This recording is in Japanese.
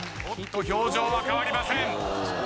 おっと表情は変わりません。